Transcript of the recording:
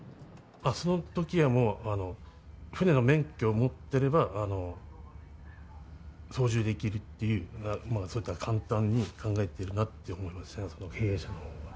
そのときはもう、船の免許を持ってれば、操縦できるっていう、そういった、簡単に考えているなって思いますね、その経営者のほうが。